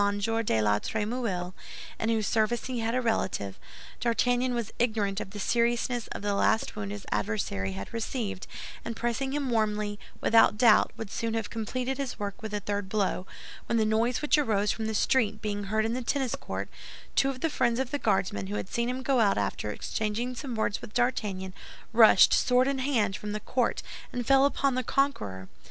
de la Trémouille, in whose service he had a relative, D'Artagnan was ignorant of the seriousness of the last wound his adversary had received, and pressing him warmly, without doubt would soon have completed his work with a third blow, when the noise which arose from the street being heard in the tennis court, two of the friends of the Guardsman, who had seen him go out after exchanging some words with D'Artagnan, rushed, sword in hand, from the court, and fell upon the conqueror.